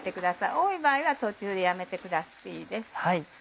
多い場合は途中でやめてくださっていいです。